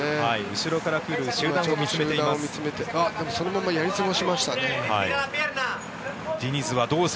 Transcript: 後ろから来る集団を見つめています。